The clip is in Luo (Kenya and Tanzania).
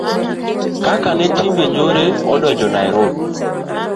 kaka ne timbe njore odonjo Nairobi